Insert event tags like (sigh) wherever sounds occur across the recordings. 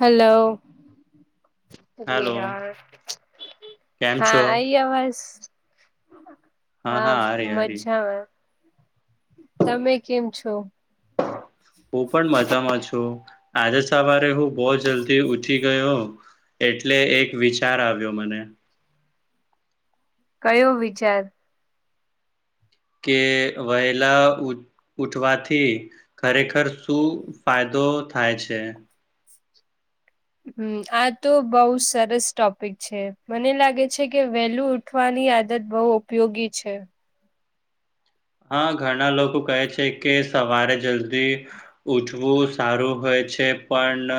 Hello અરે hello યાર કેમ છો હા આઈ આવાજ? હા મજામાં તમે કેમ છો? (inaudible) હું પણ મજામાં છું આજે સવારે હું બહુ જલ્દી ઉઠી ગયો એટલે એક વિચાર આવ્યો મને કયો વિચાર કે વહેલા ઉ ઉઠવાથી ખરેખર શું ફાયદો થાય છે હમ્મ આ તો બઉુ સરસ ટોપિક છે મને લાગે છે કે વેલું ઊઠવાની આદત બહુ ઉપયોગી છે. હા ઘણા લોકો કહે છે કે સવારે જલ્દી ઉઠવું સારું હોય છે પણ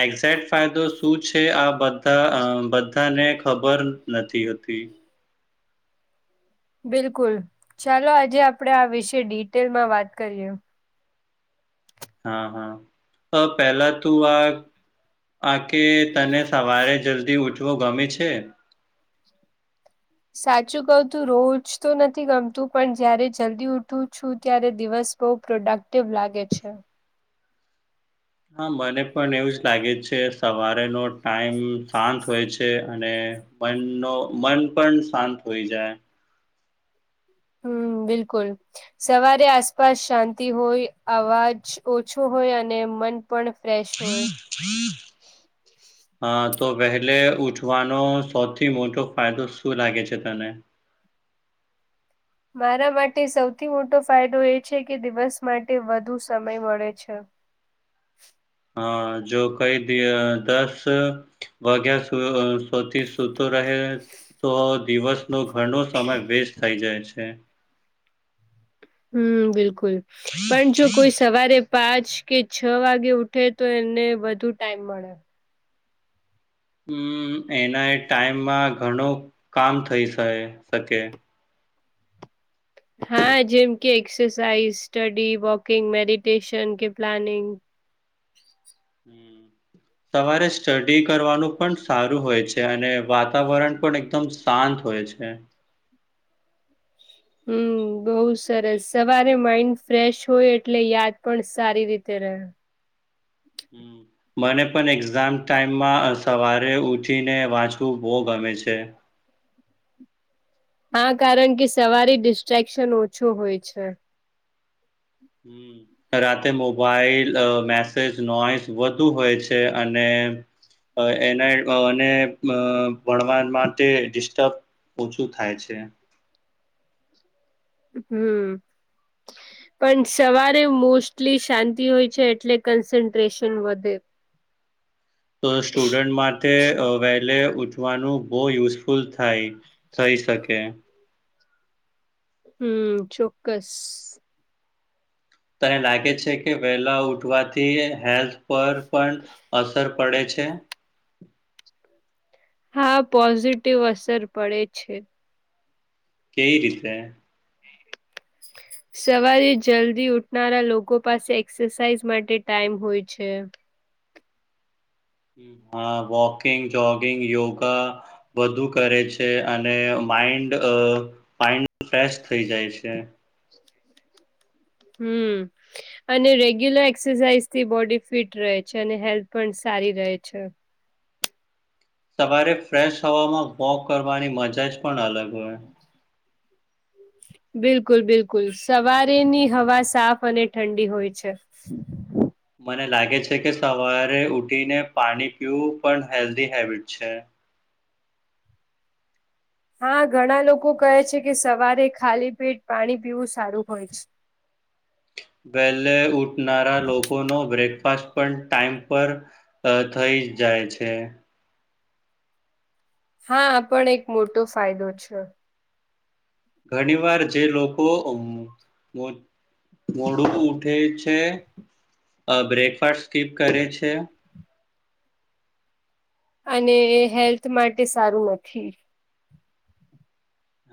એક્ઝે્ટ ફાયદો શું છે આ બધા આ બધાને ખબર નથી હોતી બિલકુલ ચાલો આજે આપણેે આ વિશે ડિટેલમાં વાત કરીએ હા હા અ પહેલા તું આ આ કે તને સવારે જલ્દી ઊઠવું ગમે છે સાચું કઉ તું રોજ તો નથી ગમતું પણ જયારે જલ્દી ઉઠું છું ત્યારે દિવસ બહુ પ્રોડક્ટિવ લાગે છે. હા મને પણ એવું જ લાગે છે સવારેનો ટાઈમ શાંત હોય છે અને મન નો મન પણ શાંત હોઈ જાય હમ્મ બિલકુલ સવારે આસપાસ શાંતિ હોય અવાજ ઓછો હોય અને મન પણ ફ્રેશ હોય (inaudible) (inaudible) હા તો વહેલે ઉઠવાનો સૌથી મોટો ફાયદો શું લાગે છે તને મારા માટે સૌથી મોટો ફાયદો એ છે કે દિવસ માટે વધુ સમય મળે છે હા જો કઈ બીય દસ વગ્યા સુ સુધી સુતુ રહે તો દિવસનો ઘણો સમય વેસ્ટ થઇ જાય છે હમ્મ બિલકુલ પણ જો કોઈ સવારે પાંચ કે છ વાગે ઉઠે તો એમને વધુ ટાઈમ મળે હમ્મ એના એ ટાઈમમાં ઘણું કામ થઇ શાય શકે હા જેમ કે એક્સરસાઇઝ સ્ટડી વોકિંગ મેડિટેશન કે પ્લાનિંગ સવારે સ્ટડી કરવાનું પણ સારું હોય છે અને વાત વાતાવરણ પણ એકદમ શાંત હોય છે હમ્મ બઉ સરસ સવારે માઈન્ડ ફ્રેશ હોય એટલે યાદ પણ સારી રીતે રહે. હમ્મ. મને પણ એક્ઝામ ટાઈમમાં સવારે ઉઠીને વાંચવું બહુ ગમે છે હા કારણ કે સવારે ડિસ્ટ્રેક્શન ઓછું હોય છે હમ્મ રાતે મોબાઈલ અહ મેસ (unintelligible) નોઈસ વધુ હોય છે અને અહ એના અહ અને અહ ભણવા માટે ડિસ્ટર્બ ઓછું થાય છે. હમ્મ. પણ સવારે મોસ્ટલી શાંતિ હોય છે એટલે કન્સન્ટ્રેશન વધે. તો સ્ટુડન્ટ માટે અહ વહેલે ઉઠ વાનું બહુ યુઝફુલ થાય થઈ શકે. હમ્મ ચોક્કસ. તને લાગે છે કે વેલા ઉઠવાથી હેલ્થ પર પણ અસર પડે છે? હા, પોઝિટિવ અસર પડે છે. કેઈ રીતે? (unintelligible) સવારે જલ્દી ઉઠનારા લોકો પાસે એક્સરસાઇઝ માટે ટાઈમ હોય છે. હમ્મ હા વોકિંગ, જોગિંગ, યોગા વધુ કરે છે અને માઇન્ડ અહ માઇન્ડ ફ્રેશ થઈ જાય છે. હમ્મ. અને રેગ્યુલર એક્સરસાઇઝ થી બોડી ફિટ રહે છે અને હેલ્થ પણ સારી રહે છે. સવારે ફ્રેશ હવામાં વોક કરવાની મજા જ પણ અલગ હોય. બિલકુલ બિલકુલ સવારેની હવા સાફ અને ઠંડી હોય છે. મને લાગે છે કે સવારે ઉઠીને પાણી પીવું પણ હેલ્ધી હેબિટ છે. હા, ઘણા લોકો કહે છે કે સવારે ખાલી પેટ પાણી પીવું સારું હોય છે. વહેલે ઉઠનારા લોકોનો બ્રેકફાસ્ટ પણ ટાઈમ પર અહ થઈ જાય છે. હા, આ પણ એક મોટો ફાયદો છે. ઘણી વાર જે લોકો અમોહ મો મોડું ઉઠે છે અહ બ્રેકફાસ્ટ સ્કીપ કરે છે અને હેલ્થ માટે સારું નથી.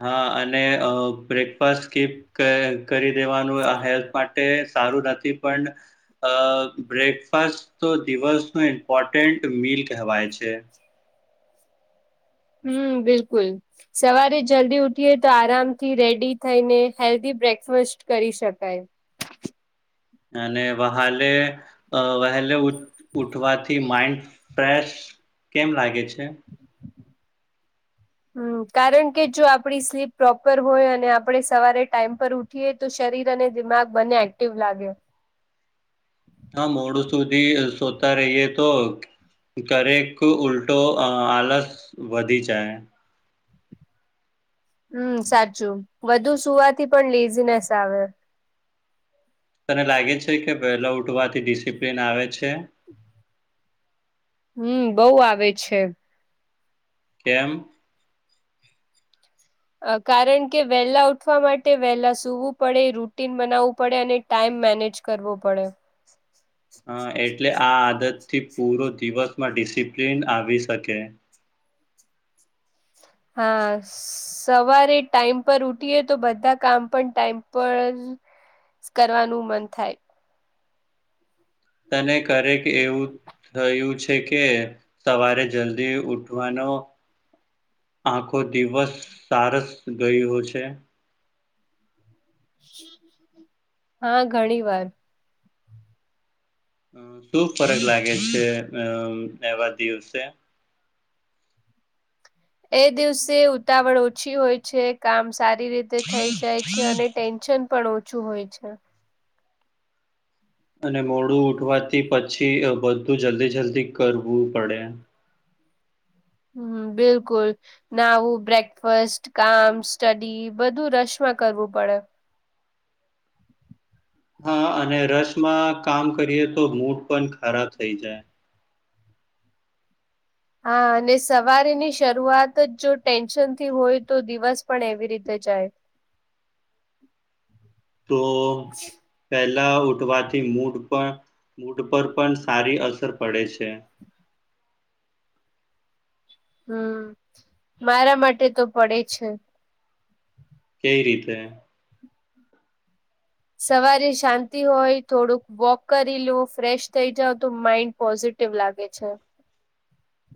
હા અને અહ બ્રેકફાસ્ટ સ્કીપ કે કરી દેવાનું આ હેલ્થ મા ટે સારું નથી પણ અહ બ્રેકફાસ્ટ તો દિવસનું ઇમ્પોર્ટન્ટ મિલ કહેવાય છે. હમ્મ, બિલકુલ. સવારે જલ્દી ઉઠીએ તો આરામથી રેડી થઈને હેલ્ધી બ્રેકફાસ કરી શકાય. અને વાહલે અહ વહેલે ઉઠવાથી માઈન્ડ ફ્રેશ કેમ લાગે છે? (unintelligible) હમ્મ કારણ કે જો આપડી સ્લીપ પ્રોપર હોય અને આપડે સવારે ટાઈમ પર ઉ ઠીએ તો શરીર અને દિમાગ બંને એક્ટિવ લાગે. હા, મોડું સુધી શોતા રહીએ તો ઘરેક ઉલટો અહ આલસ વધી જાય. હમ્મ, સાચું વધુ સુવાથી પણ લેઝીનેસ આવે. તને લાગે છે કે વહેલો ઉઠવાથી ડિસિપ્લિન આવે છે? (unintelligible) હમ્મ, બઉ આવે છે. કેમ? અ કારણ કે વહેલા ઉઠવા માટે વહેલા સૂવું પડે રૂટીન બનાવવું પડે અને ટાઈમ મેનેજ કરવો પડે. હા એટલે આ આદત થી પૂરો દિવસમાં ડિસિપ્લિન આવી શકે. હા. સવારે ટાઈમ પર ઉઠીએ તો બધા કામ પણ ટાઈમ પર કરવાનું મન થાય. તને કરેક એવું થયું છે કે સવારે જલ્દી ઉઠવાનો આખો દિવસ સારસ ગયો છે. હા ઘણી વાર. અ શું ફરક લાગે છે અ એવા દિવસે? એ દિવસે ઉતાવળ ઓછી હોય છે. કામ સારી રીતે થઈ જાય છે અને ટેન્શન પણ ઓછું હોય છે. અને મોડું ઉઠવાથી પછી બધું જલ્દી જલ્દી કરવું પડે. હમમ બિલકુલ. નાવું, બ્રેકફસ્ટ, કામ, સ્ટડી, બધું રશમાં કરવું પડે. હા અને રસમાં કામ કરીએ તો મૂડ પણ ખરાબ થઈ જાય. હા અને સવારની શરૂઆત જ જો ટેન્શનથી હોય તો દિવસ પણ એવી રીતે જાય. તો પહેલા ઉઠવાથી મૂડ પણ, મૂડ પર પણ સારી અસર પડે છે. હમમ મારા માટે તો પડે છે. કેવી રીતે? સવારે શાંતિ હોય, થોડુંક વોક કરી લુ, ફ્રેશ થઈ જાવ તો માઇન્ડ પોઝિટ પોઝિટિવ લાગે છે.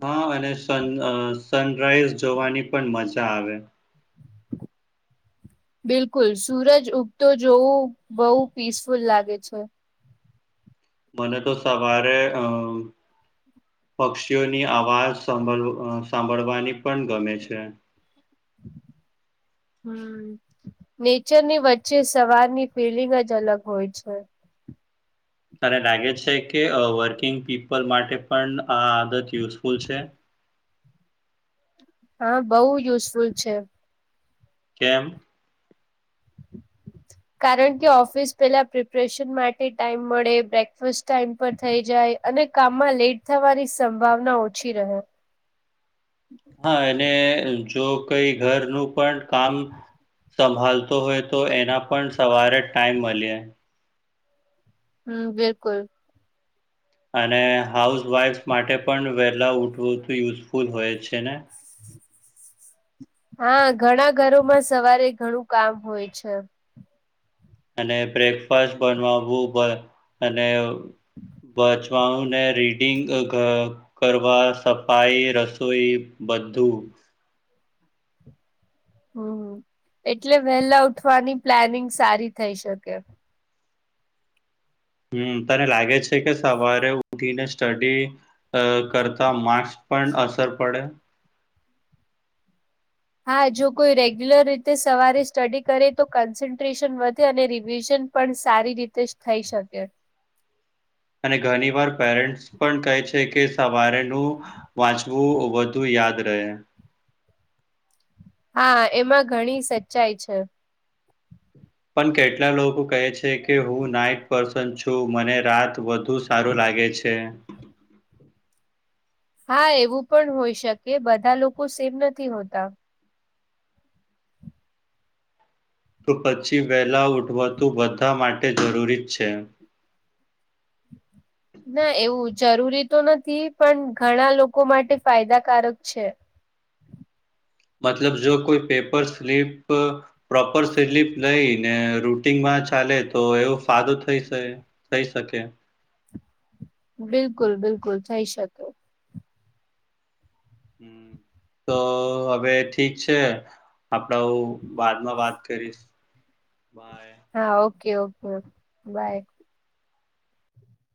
હા અને સન સનરાઈઝ જોવાની પણ મજા આવે. બિલકુલ. સુૂરજ ઉગતો જોવું બઉ પીસફુલ લાગે છે. મને તો સવારે અ પક્ષીઓની આવાજ સાંભળ, સાંભળવાની પણ ગમે છે. હમમ. હમમ નેચર ની વચ્ચે સવારની ફિલિંગ જ અલગ હોય છે. તારે લાગે છે કે વર્કિંગ પીપલ માટે પણ આ આદત યુઝફુલ છે. હા બઉ યુઝફુલ છે. કેમ? કારણ કે ઓફિસ પેલા પ્રિપરેશન માટે ટાઇમ મળે, બ્રેકફાસ્ટ ટાઈમ પર થઈ જાય અને કામમાં લેટ થવાની સંભાવના ઓછી રહે. હા એને જો કઈ ઘરનું પણ કામ સંભાલતો હોય તો એના પણ સવારે ટાઈમ મળે. હમમ બિલકુલ. અને હાઉસ વાઈફ માટે પણ વહેલા ઉઠવું તો યુઝફુલ હોય છે ને. (inaudible) હા ઘણા ઘરોમાં સવારે ઘણું કામ હોય છે. અને બ્રેકફાસ્ટ બનાવવુ અને બચવાઓ ને રીડિંગ અ ગ કરવા, સફાઈ, રસોઈ બધું. હા એટલે વહેલા ઉઠવાની પ્લાનિંગ સારી થઇ શકે. હમ્મ. તને લાગે છે કે સવારે ઉઠીને સ્ટડી અહ કરતા માસ્ક પણ અસર પડે. હા, જો કોઈ રેગ્યુલર રીતે સવારે સ્ટડી કરે તો કન્સન્ટ્રેશન વધે અને રિવિઝન પણ સારી રીતે જ થઈ શકે. અને ઘણી વાર પેરેન્ટ્સ પણ કહે છે. કે સવારેનું વાંચવું વધુ યાદ રહે. હા, એમાં ઘણી સચ્ચાઈ છે. પણ કેટલા લોકો કહે છે. કે હું નાઈટ પર્સન છું મને રાત વધુ સારું લાગે છે. હા, એવું પણ હોય શકે. બધા લોકો સેમ નથી હોતા. તો પછી વહેલા ઉઠવાતું બધા માટે જરૂરી જ છે. ના એવું જરૂરી તો નથી પણ ઘણા લોકો માટે ફાયદાકારક છે. મતલબ જો કોઈ પેપર સ્લીપ પ્રોપર સ્લીપ લઈને રૂટનમાં ચાલે તો એવું ફાદો થઈ સે. થઈ શકે. બિલકુલ બિલકુલ થઈ શકે. હમ્મ, તો હવે ઠીક છે આપડા ઓ બાદમાં વાત કરીશ. બાય. હા, ઓકે ઓકે બાય.